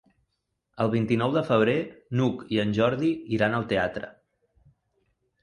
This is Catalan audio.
El vint-i-nou de febrer n'Hug i en Jordi iran al teatre.